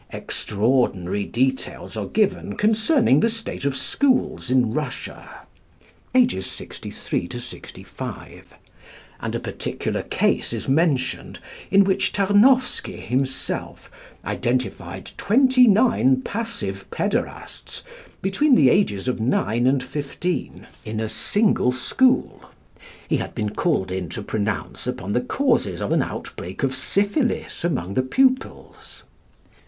Extraordinary details are given concerning the state of schools in Russia (pp. 63 65); and a particular case is mentioned, in which Tarnowsky himself identified twenty nine passive pæderasts, between the ages of nine and fifteen, in a single school. He had been called in to pronounce upon the causes of an outbreak of syphilis among the pupils.